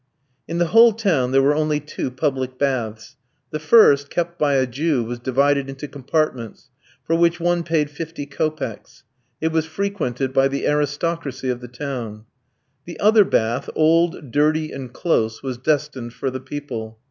In the whole town there were only two public baths. The first, kept by a Jew, was divided into compartments, for which one paid fifty kopecks. It was frequented by the aristocracy of the town. The other bath, old, dirty, and close, was destined for the people.